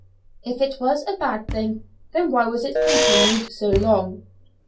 If it was a bad thing why was it continued so long?